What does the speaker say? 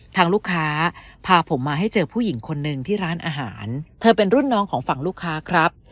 ทางลูกค้าพาผมมาให้เจอผู้หญิงคนหนึ่งที่ร้านอาหารเธอเป็นรุ่นน้องของฝั่งลูกค้าครับ